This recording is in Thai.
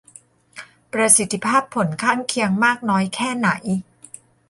ประสิทธิภาพผลข้างเคียงมากน้อยแค่ไหน